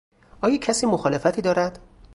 آیا کسی مخالفتی دارد؟